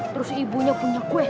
terus ibunya punya kue